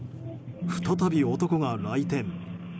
再び男が来店。